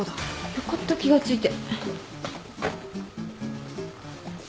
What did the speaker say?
よかった気が付いて。